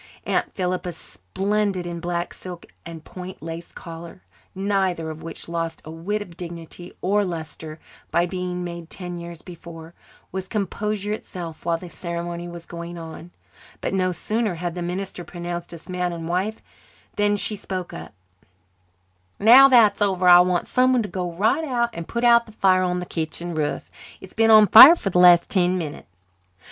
Aunt Philippa, splendid in black silk and point lace collar, neither of which lost a whit of dignity or lustre by being made ten years before, was composure itself while the ceremony was going on. But no sooner had the minister pronounced us man and wife than she spoke up. "Now that's over I want someone to go right out and put out the fire on the kitchen roof. It's been on fire for the last ten minutes."